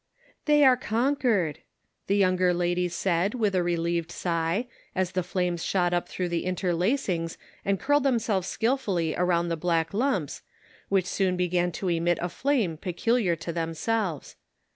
"They are conquered," the younger lady said, with a relieved sigh, as the flames shot up through the interlacings and curled them selves skillfully around the black lumps, which soon began to emit a flame peculiar to them selves.